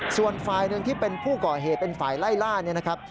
ส่วนฝ่ายหนึ่งที่เป็นผู้ก่อเหตุเป็นฝ่ายไล่ล่าเนี่ยนะครับ